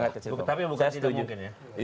tapi bukan tidak mungkin ya